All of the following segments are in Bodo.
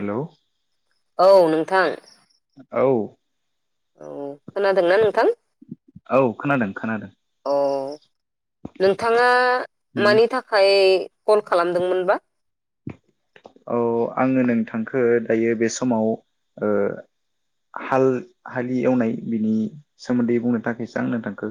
हेल' औ नोंथां औ औ खोनादोंना नोंथां? औ खोनादों खोनादों औ। नोंथाङा मानि थाखाय कल खालामदोंमोनबा? औ आङो नोंथांखौ दायो बे समाव ओ हाल हालि एवनाय बिनि सोमोन्दै बुंनो थाखायसो ओ आं नोंथांखौ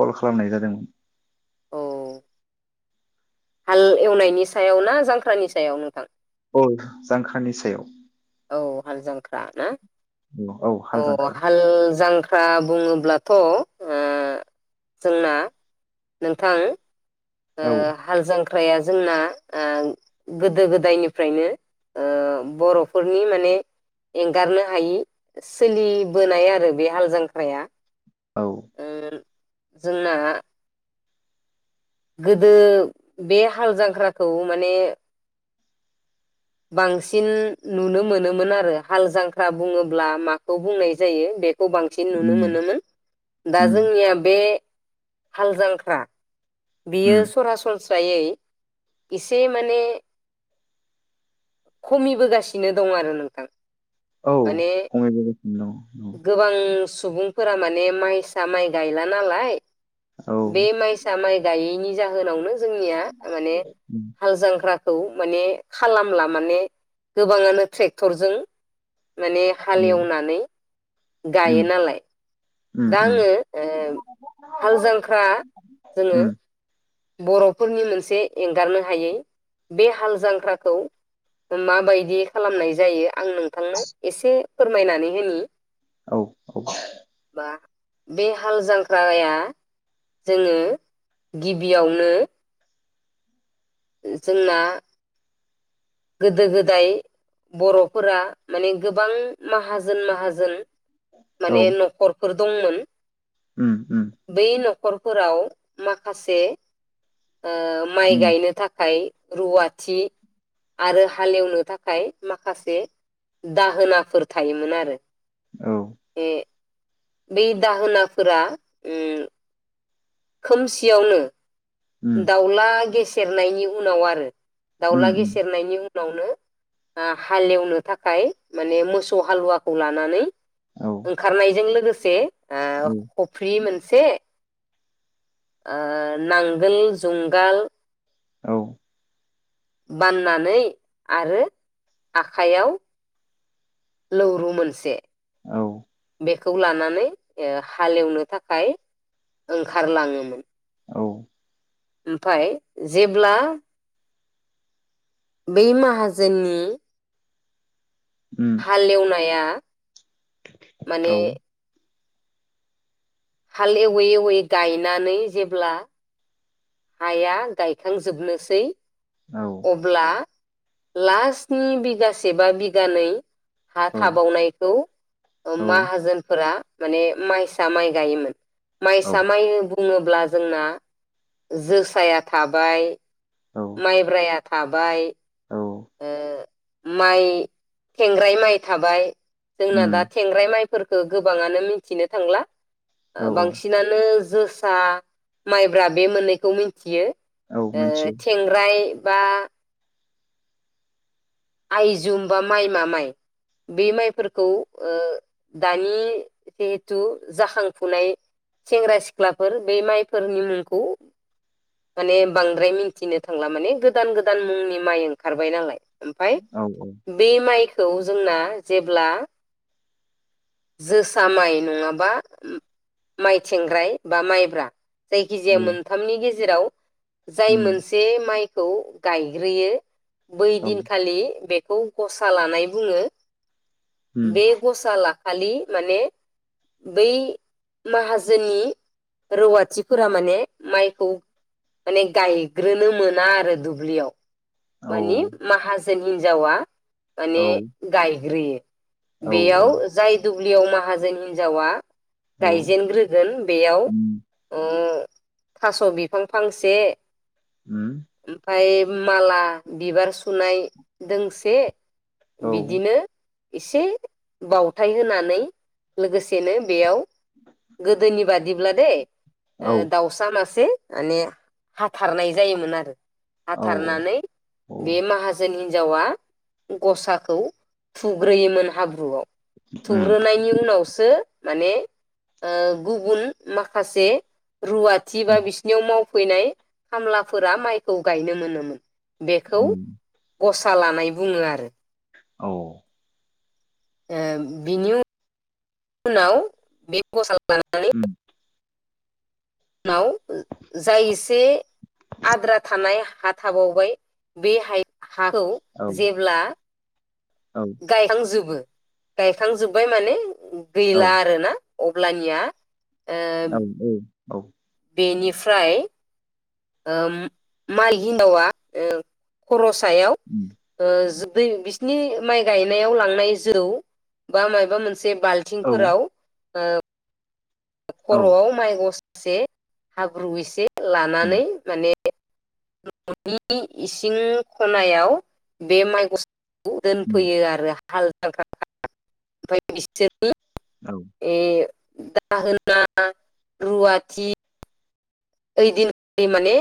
कल खालामनाय जादोंमोन। औ हाल एवनायनि सायाव ना जांख्रानि सायाव नोंथां? औ जांख्रानि सायाव। औ हाल जांख्रा ना? औ हाल अ जांख्रा हाल जांख्रा बुङोब्ला थ' ओ जोंना नोंथां औ हाल जांख्राया जोंना गोदो गोदायनिफ्रायनो बर'फोरनि माने एंगारनो हायि सोलिबोनाय आरो बे हाल जांख्राया औ ओ जोंना गोदो बे हाल जांख्राखौ माने बांसिन नुनो मोनोमोन आरो हाल जांख्रा बुङोब्ला माखौ बुंनाय जायो बे खौ बांसिन नुनो उम मोनोमोन दा उम जोंनिया बे हाल जांख्रा उम बियो सरासरनस्रा सनस्रायै एसे माने खमिबोगासिनो दं आरो नोंथां औ माने खमायबोगासिनो दङ गोबां सुबुं फोर माने माइसा माइ गायला नालाय औ औ बे मायसा माय दायैनि जाहोनावनो जोंनिया माने उम हाल जांख्रा खौ माने खालामला माने गोबाङानो ट्रेक्टरजों माने उम हालेवनानै गायो नालाय। उम दा उम आङो ओ हाल जांख्रा जोङो उम बर'फोरनि मोनसे एंगारनो हायै बे हाल जांख्राखौ माबायदि खालामनाय जायो आं नोंथांनो एसे फोरमायनानै होनि औ औ बा बे हाल जांख्राया जोङो गिबियावनो जोंना गोदो गोदाय बर'फोरा माने गोबां माहाजोन माहाजोन औ माने न'खर फोर दंमोन। उम उम बै न'खरफोराव माखासे ओ माइ उम गायनो थाखा थाखाय रुवाथि आरो हालेवनो थाखाय माखासे दाहोनाफोर थायोमोन आरो। औ ए बेै दाहोनाफोरा उम खोमसियावनो उम दाउला गेस सेरनायनि उनाव आरो उम दाउला उम गेसेेरनायनि उ उनावनो हालेवनो थाखाय माने मोसौ हालुवाखौ लानानै औ ओंखारनायजों लोगोसे से आ औ खफ्रि मोन नसे ओ नां आगोल जुंगाल औ। बाननानै आरो आखाइयाव लौरु मोनसे। औ। बेखौ लानानै हालेवनो थाखाय ओंखारलाङोमोन। औ। ओमफाय जेब्ला बै माहाजोननि उम हालेवनाया [unintelligible] औ माने हाल एवै एवै गायनानै जेब्ला हाया गायखांजोबनोसै औ अब्ला लास्टनि बिगासे बा बिगानै हा औ थाबावनायखौ औ माहाजोनफोरा माने माइसा माइ गायोमोन। माइ औ सा माय बु बुङोब्ला जोंना जोसाया थाबाय औ माइब्राया थाबाय। औ ओ। माइ थेंग्राय माइ थाबाय जोंना दा उम थेंग्राय माइ फोरखो गोबाङानो मिथिनो थांला। औ बांसिनानो जोसा माइब्रा बे मोननैखौ मिथियो। औ ओ मिथियो थेंग्राय बा आइजुम बा माइ मा माइ बे माइफोरखौ ओ दानि जिहेथु जाखांफुनाय सेंग्रा सिख्लाफोर बै माइफोरनि मुंखौ माने बांद्राय मिथिनो थांला माने गोदान गोदान मुंनि माइ ओंखारबाय नालाय। ओमफाय औ औ बे माइख खौ जोंना जेब्ला जोसा माइ नङाबा माइ थेंग्राय बा माइब्रा औ जायखिजाया मोनथामनि गेजे जेराव जाय उम मोनसे माइ खौ गायग्रोयो औ बैदिन खालि बे खौ गसा लानाय बुङो। उम बे ग'सा ला खालि माने बै माहाजोननि रौवाथिफोरा माने माइखौ माने गायग्रोनो मोना आरो दुब्लियाव। औ माने माहा जोन हिनजावा माने गायग्रोयो। औ बेयाव जाय दु ब्लियाव माहाजोन हिन्जावा औ गायजेनग्रोगोन बेयाव उम ओ थास' बि फां फांसे उम ओमफाय माला बिबार सुनाय दोंसे औ बिदिनो इसे बावथाय होनानै लोगोसेनो बेयाव गोदोनि बादिब्ला दै ओ औ दाउसा मासे माने हाथारनाय जायोमोन आरो औ हाथारनानै बे माहाजोन हिन जावा गसाखौ थुग्रोयोमोन हाब्रुआव उम थुग्रोनायनि उनावसो माने ओ गुबुन माखासे रुवाथि बा बिस याव मावफैनाय खामलाफोरा माइखौ गायनो मोनोमोन। बेखौ उम गसा लानाय बुङो आरो औ ओ बिनि [inaudible] उनाव बे गसा उम माव जाय एसे आद्रा थानाय हा थाबावबाय बे हाय हाखौ औ जेब्ला गायखांजोबो गायखांजोबबाय माने औ बैला आरो ना। अब्लानिया ओ औ औ। औ। बेनिफ्राय ओम माइ हिनदावा खरस थायाव ओ दै बिसिनि माइ गायनायाव लांनाय जौ बा मा मोन से औ बालथिंफोराव ओ औ खर'आव माइ गस से हाब्रु एसे उम लानानै माने [inaudible] न'नि इसिं खनायाव बे माइ गस खौ उम दोनफैयो आरो। हाल जाग्राफ्रा ओमफ्राय बिसोर [unintelligible] औ ए दाहोना रुवाथि ओइ दिन माने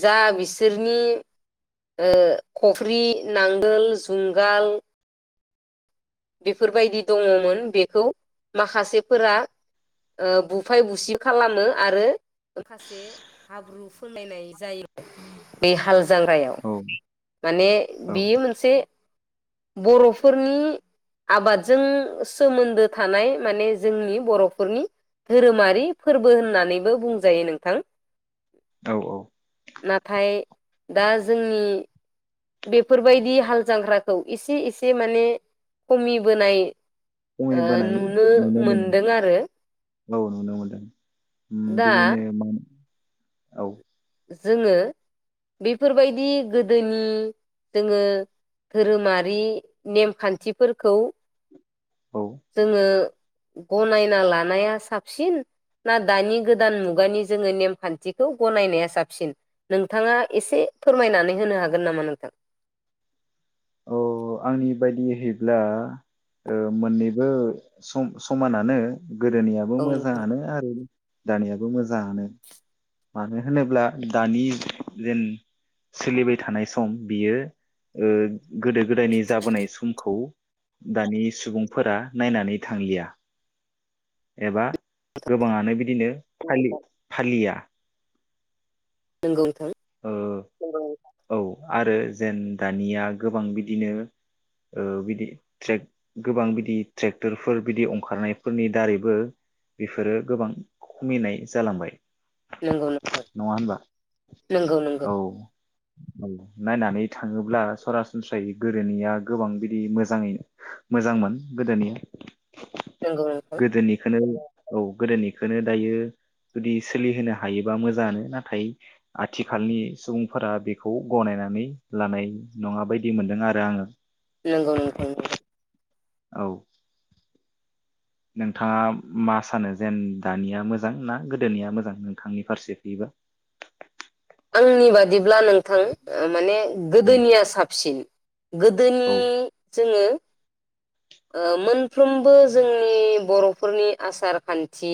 जा बिसोरनि ओ खफ्रि, नांगोल, जुंगाल बेफोरबायदि दङमोन बेखौ माखासेफोरा बुफाय बुसि खालामो आरो माखासे हाब्रु फोनलायनाय जायो बे हाल जांख्रायाव माने औ बेयो मोनसे बर'फो फोरनि आबादजों सोमोन्दो थानाय माने जोंनि बर'फोरनि धोरोमारि फोरबो होननानैबो बुंजायो नोंथां। औ औ नाथाय दा जोंनि बेफोरबायदि हाल जांख्राखौ एसे एसे माने खमिबोनाय ओ खमैबोनाय नुनो मोनो मोनदों आरो। औ नुनो मोनदों। ओम दा बिदिनो मा औ जोङो बेफोरबायदि गोदोनि जोङो धोरोमारि नेमखान्थिफोरखौ औ जोङो गनायना लानाया साबसिन ना दानि गोदान मुगानि जोङो नेमखान्थिखौ गनायनाया साबसिन नोंथाङा एसे फोरमायनानै होनो हागोन नामा नोंथां? अ आंनि ओ बायदियै होयोब्ला ओ मोननैबो सम समानानो गोदोनियाबो औ नोंथां मोजाङानो आरो दानियिबो मोजाङानो। मानो होनोब्ला दानि जेन सोलिबाय थानाय सम बियो ओ गोदो-गोदायनि जाबोनाय समखौ दानि सुबुंफोरा नायनानै थांलिया एबा गोबाङानो बिदिनो फालि फालिया। नोंगौ नोंथां ओ औ आरो जेन दानिया गोबां बिदिनो ओ बिदिे ट्रेक गोबां बिदि ट्रेक्टरफोर बिदि ओंखारनायफोरनि दारैबो बेफोरो गोबां खमिनाय जालांबाय। नङा होनबा नोंगौ नोंगौ औ औ नायनानै थाङोब्ला सरासनस्रायै गोदोनिया गोबां बिदि मोजाङै मोजांमोन गोदोनिया नंगौ नोंथां गोदोनिखोनो औ गोदोनिखोनो दायो जुदि सोलिहोनो हायोबा मोजां आनो नाथाय आथिखालनि सुबुंफोरा बेखौ गनायनानै लानाय नङा बायदि मोनदों आरो आङो नोंगौ नोंथां नोंगौ औ नोंथाङा मा सानो जेन दानिया मोजां ना गोदोनिया मोजां नोंथांनि फारसे फैयोबा आंनि बादिब्ला नोंथां माने गोदोनिया साबसिन गोदोनि औ जोङो ओ मोनफ्रोमबो जोंनि बर'फोरनि आसार खान्थि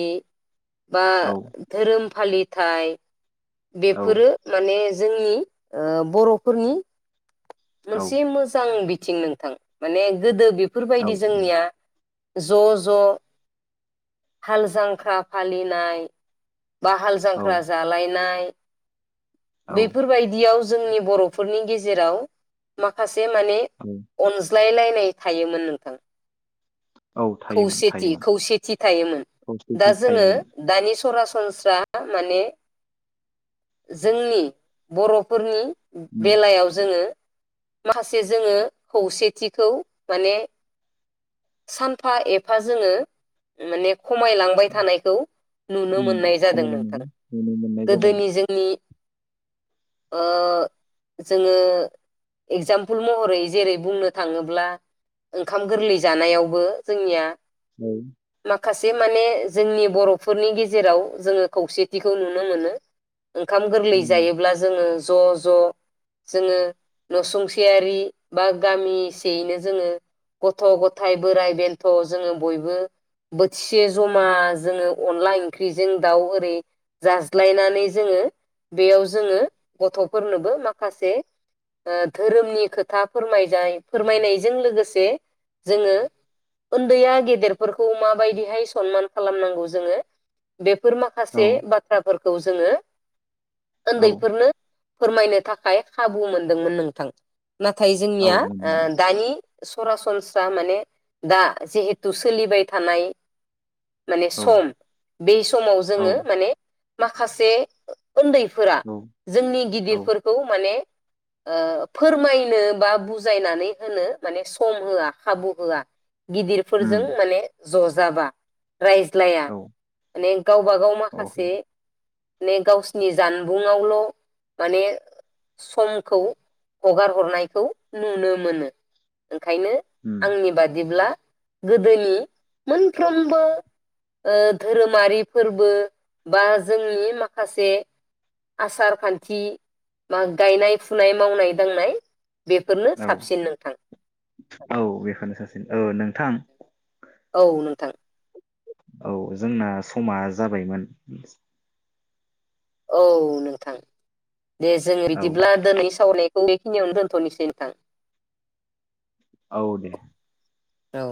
बा औ धोरोम फालि थाय औ बेफोरो माने जोंनि ओ बर'फोरनि औ मोनसे मोजां बि बिथिं नोंथां माने गोदो बेफोरबायदि जोंनिया ज' ज' हाल जांख्रा फालिनाय बा हाल औ जांख्रा जालाय नाय औ बेफोरबायदियाव जोंनि बर'फोरनि गेजेराव माखासे औ मानेया सुस्लाय लायनाय थायोमोन नोंथां औ थायोमोन खौसेथि थायोमोन खौसेथि थायोमोन खौसेथि दा जोङो थायोमोन दानि सरासनस्रा संस्रा माने जोंनि बर'फोरनि बेलायाव जोङो माखासे जोङो खौसेथिखौ माने सानफा एफा जोङो माने खमायलांबाय थानायखौ नुनो मोननाय जादों खमायलायनायखौ नोंथां। नुनो मोननाय जादों गोदोनि जोंनि ओ जोङो एगजामपोल महरै जेरै बुंनो थाङोब्ला ओंखाम गोरलै जानायावबो जोंनिया औ। माखासे माने जोंनि बर'फोरनि गेजेराव जोङो खौसेथिखौ नुनो मोनो। ओंखाम गोरलै उम जायोब्ला जोङो ज' ज' जोङो न'सुंसेयारि बा गामिसेयैनो जोङो गथ' गथाय बोराइ बेन्थ' जोङो बयबो बोथिसे जमा जोङो अनला ओंख्रिजों दाउ ओरै जाज्लायनानै नानै जोङो बेयाव जोङो गथ'फोरनोबो माखासे ओ धोरोमनि खोथा फोरमाय जाय फोरमायनायजों लोगोसे जोङो। उन्दैया गेदेरफोरखौ माबायदि। [unintelligible] सनमान खालामानांगौ जोङो बेफ फोर औ माखासे बाथ्राफोरखौ जो औ ओन्दैफोरनो। फोरमायनो थाखाय खाबु मोनदोंमोन नोंथां। नाथाय औ जोंनिया मोन ओह दानि। सरासनस्रा माने दा जिहेथु सोलिबाय थानाय। माने औ सम बे समाव जोङो औ माने। खासे। ओन्दैफोरा औ जोंनि औ गिदिरफोरखौ माने ओ फोरमायनो बा बुजायनानै होनो माने सम होआ खाबु होआ। गिदिरफोरजों उम माने ज' जाबा। रायज्लाया औ माने गावबा गाव औ माखासे माने गावसिनि जानबुंआवल' माने समखौ हगार हरनायखौ नुनो मोनो। खायनो उम आंनि बादिब्ला गोदोनि मोनफ्रोमबो ओ धोरोमारि फोरबो बा जा जोंनि माखासे आसार खान्थि मा गायनाय फुनाय मावनाय दांनाय बेफोरनो औ साबसिन नोंथां औ बेफोरनो साबसिन ओ नोंथां औ नोंथां औ जोंना समा जाबायमोन औ नोंथां दे जों औ इदिब्ला दोनै सावले [unintelligible] बेखिनियावनो दोनथ'निसै नोंथां औ दे। औ।